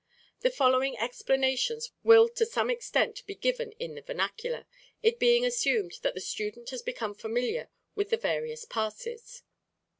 The following explanations will to some extent be given in the "vernacular," it being assumed that the student has become familiar with the various passes.